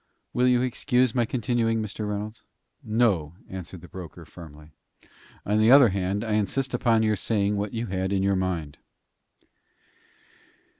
"Will you excuse my continuing, Mr. Reynolds?" "No," answered the broker, firmly. "On the other hand, I insist upon your saying what you had in your mind."